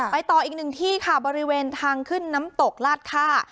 ต่ออีกหนึ่งที่ค่ะบริเวณทางขึ้นน้ำตกลาดค่า